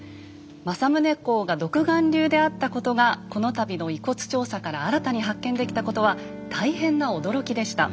「政宗公が独眼竜であったことがこの度の遺骨調査から新たに発見できたことは大変な驚きでした。